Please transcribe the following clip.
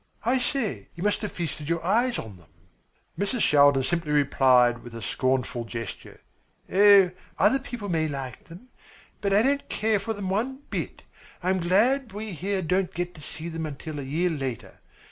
I say, you must have feasted your eyes on them!" Mrs. Shaldin simply replied with a scornful gesture. "Other people may like them, but I don't care for them one bit. I am glad we here don't get to see them until a year later.